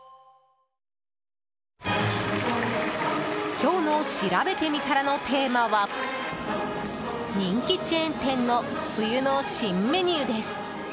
今日のしらべてみたらのテーマは人気チェーン店の冬の新メニューです。